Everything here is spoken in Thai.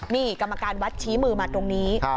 นี่กรรมการวัดชี้มือมาตรงนี้